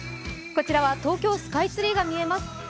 こちらは東京スカイツリーが見えます。